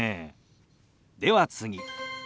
では次。